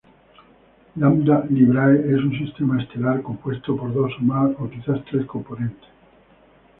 Lambda Librae es un sistema estelar compuesto por dos, o quizás tres, componentes.